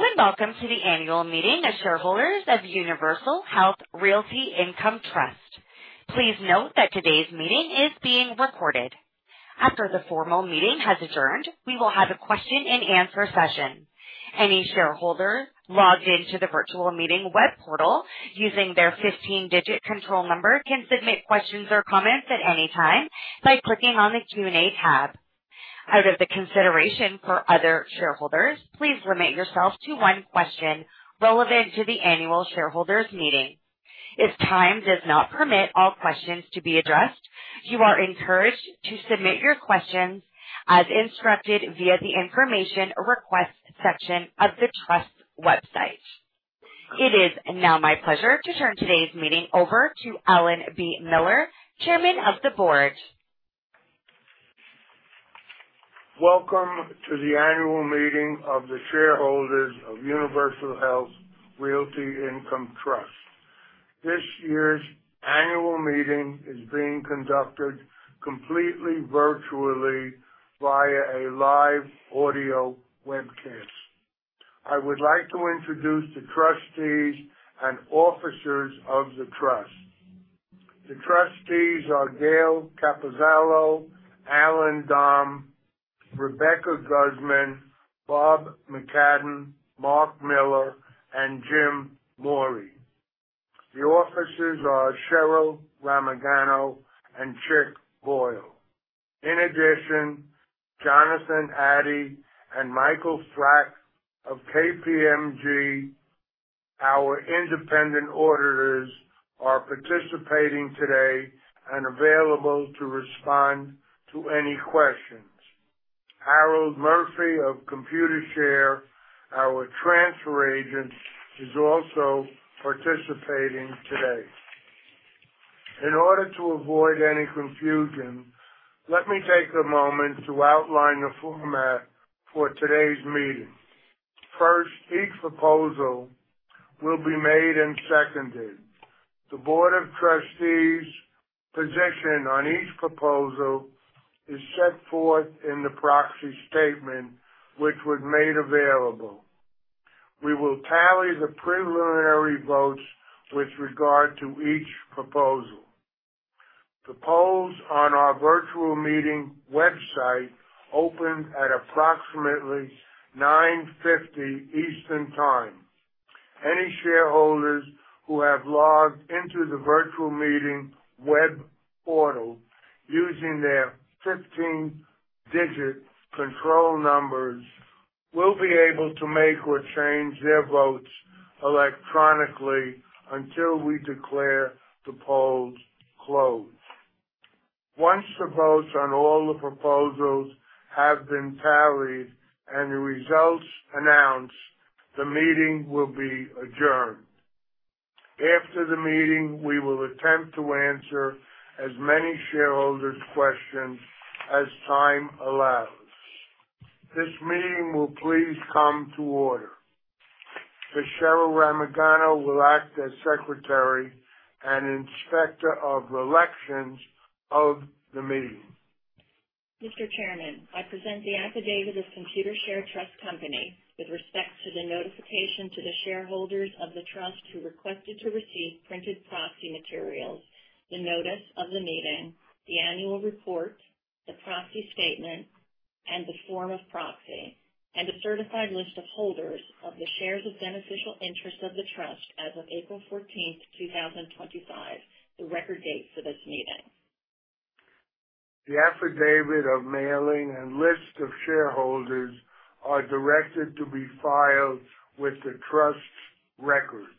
Hello, and welcome to the annual meeting of shareholders of Universal Health Realty Income Trust. Please note that today's meeting is being recorded. After the formal meeting has adjourned, we will have a question and answer session. Any shareholder logged into the virtual meeting web portal using their 15-digit control number can submit questions or comments at any time by clicking on the Q&A tab. Out of consideration for other shareholders, please limit yourself to one question relevant to the annual shareholders' meeting. If time does not permit all questions to be addressed, you are encouraged to submit your questions as instructed via the information request section of the trust website. It is now my pleasure to turn today's meeting over to Alan B. Miller, chairman of the board. Welcome to the annual meeting of the shareholders of Universal Health Realty Income Trust. This year's annual meeting is being conducted completely virtually via a live audio webcast. I would like to introduce the trustees and officers of the trust. The trustees are Gayle Capozzalo, Allan Domb, Rebecca Guzman, Bob McCadden, Marc Miller, and Jim Morey. The officers are Cheryl Ramagano and Chick Boyle. In addition, Jonathan Addy and Michael Strack of KPMG, our independent auditors, are participating today and available to respond to any questions. Harold Murphy of Computershare, our transfer agent, is also participating today. In order to avoid any confusion, let me take a moment to outline the format for today's meeting. First, each proposal will be made and seconded. The board of trustees' position on each proposal is set forth in the proxy statement, which was made available. We will tally the preliminary votes with regard to each proposal. The polls on our virtual meeting website opened at approximately 9:50 Eastern Time. Any shareholders who have logged into the virtual meeting web portal using their 15-digit control numbers will be able to make or change their votes electronically until we declare the polls closed. Once the votes on all the proposals have been tallied and the results announced, the meeting will be adjourned. After the meeting, we will attempt to answer as many shareholders' questions as time allows. This meeting will please come to order. Ms. Cheryl Ramagano will act as secretary and inspector of elections of the meeting. Mr. Chairman, I present the affidavit of Computershare Trust Company with respect to the notification to the shareholders of the trust who requested to receive printed proxy materials, the notice of the meeting, the annual report, the proxy statement, and the form of proxy, and a certified list of holders of the shares of beneficial interest of the trust as of April 14th, 2025, the record date for this meeting. The affidavit of mailing and list of shareholders are directed to be filed with the trust records.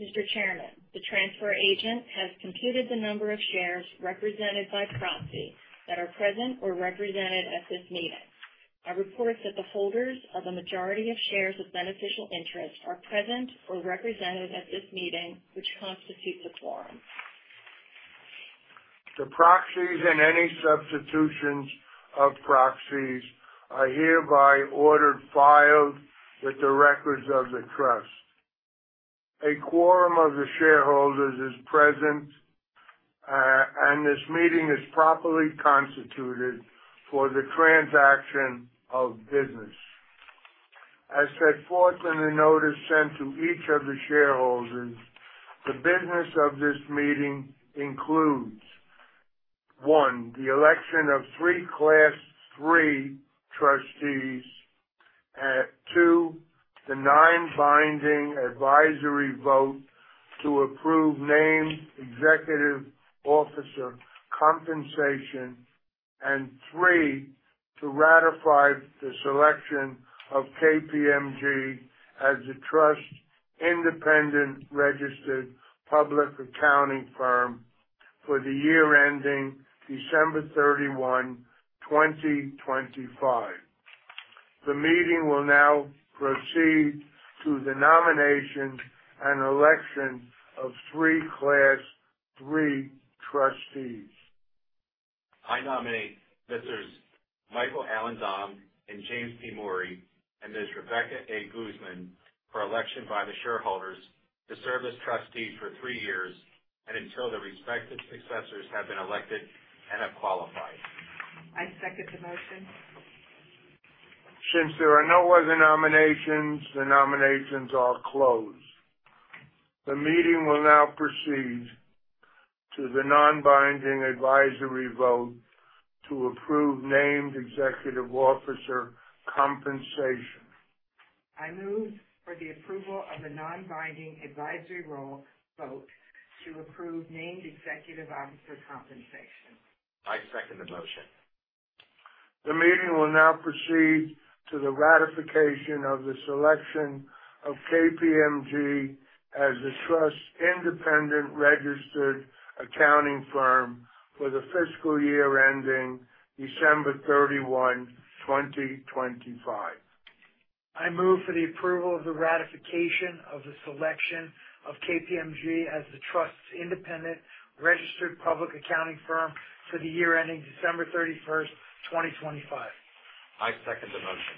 Mr. Chairman, the transfer agent has computed the number of shares represented by proxy that are present or represented at this meeting. I report that the holders of a majority of shares of beneficial interest are present or represented at this meeting, which constitutes a quorum. The proxies and any substitutions of proxies are hereby ordered filed with the records of the trust. A quorum of the shareholders is present, and this meeting is properly constituted for the transaction of business. As set forth in the notice sent to each of the shareholders, the business of this meeting includes, one, the election of 3 Class III trustees. Two, the non-binding advisory vote to approve named executive officer compensation, three, to ratify the selection of KPMG as the trust's independent registered public accounting firm for the year ending December 31st, 2025. The meeting will now proceed to the nomination and election of 3 Class III trustees. I nominate Messrs. Michael Allan Domb and James P. Morey and Ms. Rebecca A. Guzman for election by the shareholders to serve as trustee for three years, until the respective successors have been elected and have qualified. I second the motion. Since there are no other nominations, the nominations are closed. The meeting will now proceed to the non-binding advisory vote to approve named Executive Officer compensation. I move for the approval of the non-binding advisory vote to approve named Executive Officer compensation. I second the motion. The meeting will now proceed to the ratification of the selection of KPMG as the Trust's independent registered accounting firm for the fiscal year ending December 31, 2025. I move for the approval of the ratification of the selection of KPMG as the Trust's independent registered public accounting firm for the year ending December 31st, 2025. I second the motion.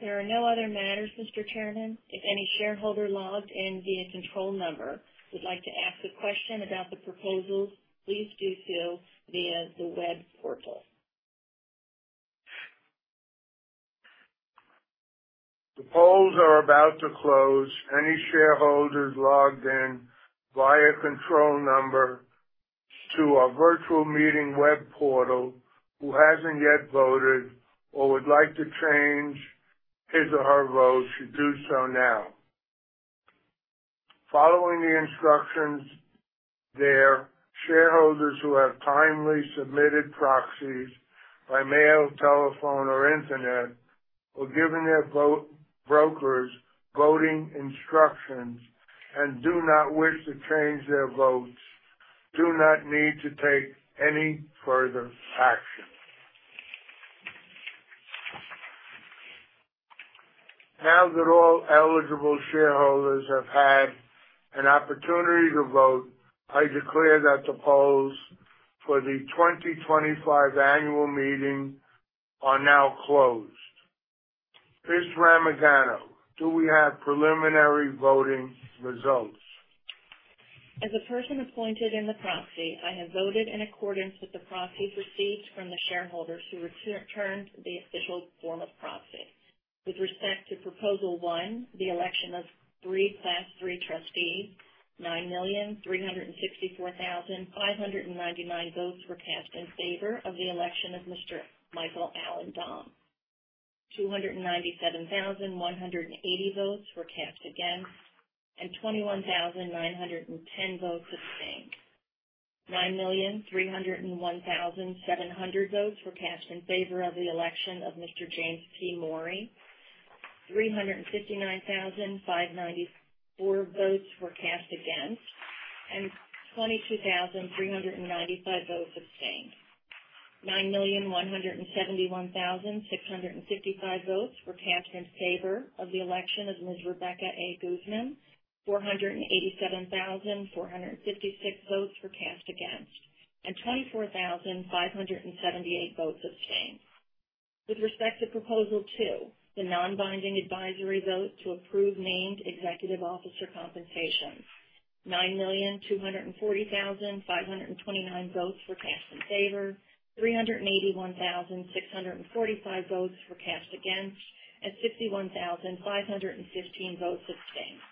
There are no other matters, Mr. Chairman. If any shareholder logged in via control number would like to ask a question about the proposals, please do so via the web portal. The polls are about to close. Any shareholders logged in via control number to our virtual meeting web portal who hasn't yet voted or would like to change his or her vote should do so now. Following the instructions there, shareholders who have timely submitted proxies by mail, telephone, or internet or given their brokers voting instructions and do not wish to change their votes do not need to take any further action. Now that all eligible shareholders have had an opportunity to vote, I declare that the polls for the 2025 annual meeting are now closed. Ms. Ramagano, do we have preliminary voting results? As a person appointed in the proxy, I have voted in accordance with the proxies received from the shareholders who returned the official form of proxy. With respect to proposal one, the election of three Class III trustees, 9,364,599 votes were cast in favor of the election of Mr. Michael Allan Domb. 297,180 votes were cast against, and 21,910 votes abstained. 9,301,700 votes were cast in favor of the election of Mr. James P. Morey. 359,594 votes were cast against, and 22,395 votes abstained. 9,171,655 votes were cast in favor of the election of Ms. Rebecca A. Guzman. 487,456 votes were cast against, and 24,578 votes abstained. With respect to proposal two, the non-binding advisory vote to approve named Executive Officer compensation. 9,240,529 votes were cast in favor, 381,645 votes were cast against, and 61,515 votes abstained.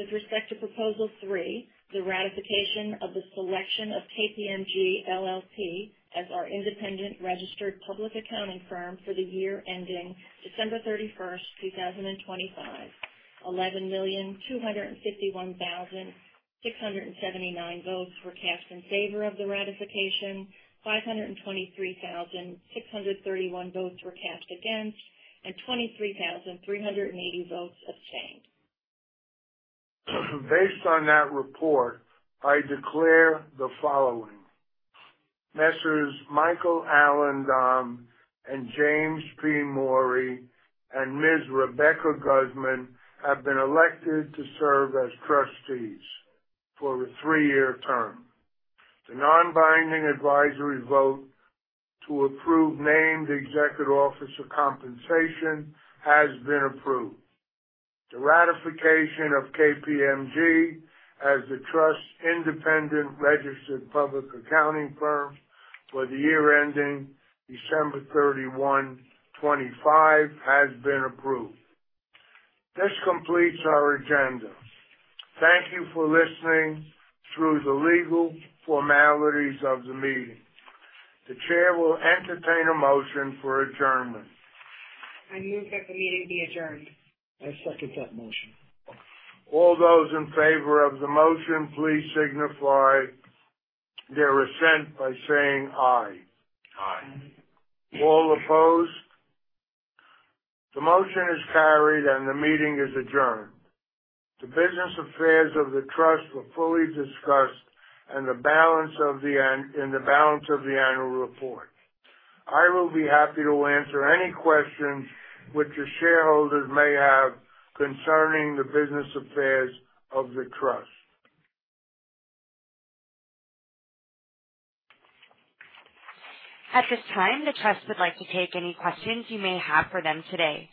With respect to proposal three, the ratification of the selection of KPMG LLP as our independent registered public accounting firm for the year ending December 31, 2025. 11,251,679 votes were cast in favor of the ratification, 523,631 votes were cast against, and 23,380 votes abstained. Based on that report, I declare the following. Messrs. Michael Allan Domb and James P. Morey and Ms. Rebecca Guzman have been elected to serve as trustees for a three-year term. The non-binding advisory vote to approve named Executive Officer compensation has been approved. The ratification of KPMG as the Trust's independent registered public accounting firm for the year ending December 31, 2025 has been approved. This completes our agenda. Thank you for listening through the legal formalities of the meeting. The chair will entertain a motion for adjournment. I move that the meeting be adjourned. I second that motion. All those in favor of the motion, please signify their assent by saying aye. Aye. All opposed? The motion is carried and the meeting is adjourned. The business affairs of the Trust were fully discussed in the balance of the annual report. I will be happy to answer any questions which the shareholders may have concerning the business affairs of the Trust. At this time, the Trust would like to take any questions you may have for them today.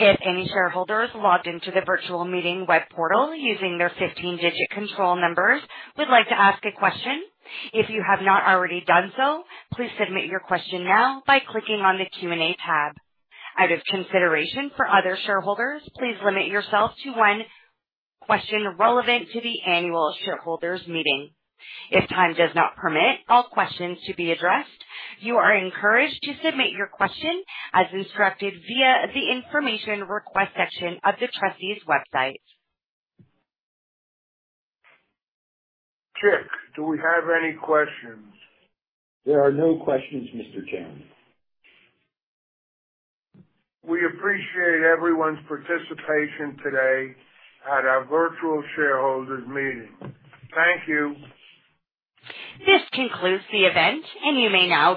If any shareholders logged into the virtual meeting web portal using their 15-digit control numbers would like to ask a question. If you have not already done so, please submit your question now by clicking on the Q&A tab. Out of consideration for other shareholders, please limit yourself to one question relevant to the annual shareholders meeting. If time does not permit all questions to be addressed, you are encouraged to submit your question as instructed via the information request section of the Trust's website. Chick, do we have any questions? There are no questions, Mr. Chairman. We appreciate everyone's participation today at our virtual shareholders meeting. Thank you. This concludes the event.